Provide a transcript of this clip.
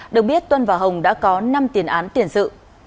được biết tuân và hồng đã có năm tiền án tiền sự